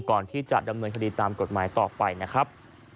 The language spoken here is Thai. ก่อนที่จะดำเนินคดีตามกฎหมายต่อไปนะครับ